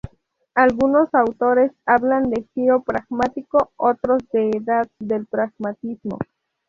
Algunos autores hablan de "giro pragmático", otros de "edad del pragmatismo".